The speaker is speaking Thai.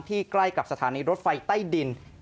ใกล้กับสถานีรถไฟใต้ดิน